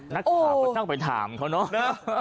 นักข่าวต้องไปถามเขาเนอะ